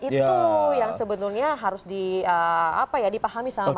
itu yang sebetulnya harus dipahami sama sama